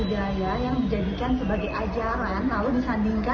lalu disandingkan dengan agama